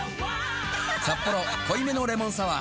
「サッポロ濃いめのレモンサワー」